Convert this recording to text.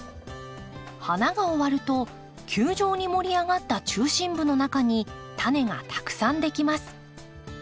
花が終わると球状に盛り上がった中心部の中にタネがたくさんできます。